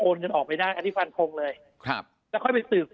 เงินออกไปได้อันนี้ฟันทงเลยครับแล้วค่อยไปสืบ